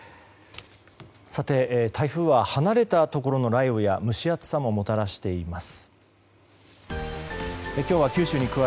さて、台風は離れたところの雷雨や蒸し暑さももたらしています。